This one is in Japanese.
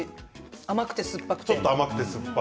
甘くて酸っぱくて。